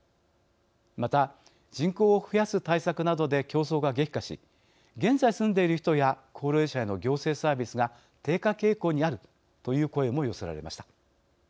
また、人口を増やす対策などで競争が激化し現在住んでいる人や高齢者への行政サービスが低下傾向にあるという声も寄せられました。